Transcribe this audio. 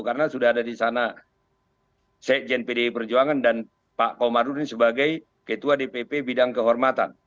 karena sudah ada di sana sekjen pdi perjuangan dan pak komarudin sebagai ketua dpp bidang kehormatan